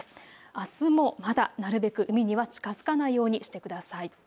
あすもまだ海には近づかないようにしてください。